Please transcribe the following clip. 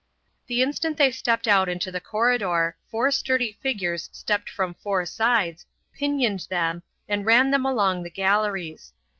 The instant they stepped out into the corridor four sturdy figures stepped from four sides, pinioned them, and ran them along the galleries.